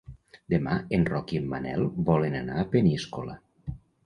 Demà en Roc i en Manel volen anar a Peníscola.